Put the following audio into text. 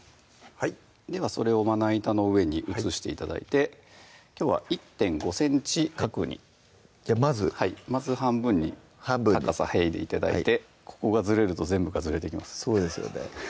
はいではそれをまな板の上に移して頂いてきょうは１．５ｃｍ角にまずまず半分に高さへいで頂いてここがずれると全部がずれていきますそうですよね